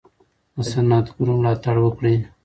د صنعتګرو ملاتړ وکړئ.